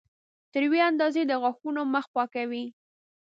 تر یوې اندازې د غاښونو مخ پاکوي.